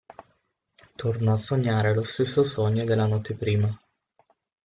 Tornò a sognare lo stesso sogno della notte prima.